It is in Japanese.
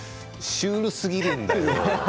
シュールすぎるんだよね。